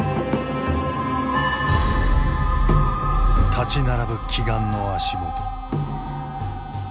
立ち並ぶ奇岩の足元。